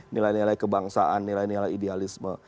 nilai nilai kebangsaan nilai nilai idealisme